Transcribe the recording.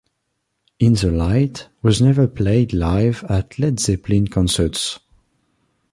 "In the Light" was never played live at Led Zeppelin concerts.